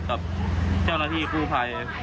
กับเจ้าหน้าที่กู้ภัย